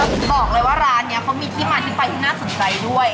บอกเลยว่าร้านนี้เขามีที่มาที่ไปที่น่าสนใจด้วย